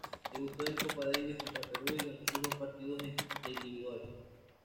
Debutó en Copa Davis contra Perú y ganó sus dos partidos de individuales.